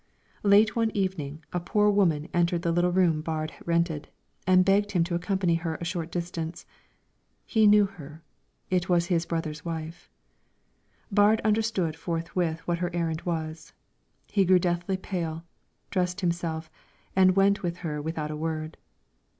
Late one evening a poor woman entered the little room Baard rented, and begged him to accompany her a short distance. He knew her: it was his brother's wife. Baard understood forthwith what her errand was; he grew deathly pale, dressed himself, and went with her without a word.